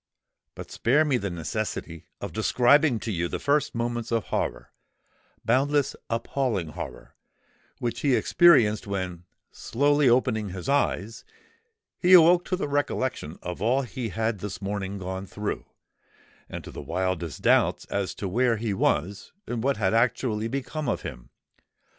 But spare me the necessity of describing to you the first moments of horror—boundless, appalling horror—which he experienced, when, slowly opening his eyes, he awoke to the recollection of all he had this morning gone through, and to the wildest doubts as to where he was and what had actually become of him!